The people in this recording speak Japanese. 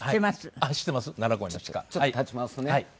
ちょっと立ちますね。